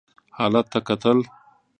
حالت ته کتل.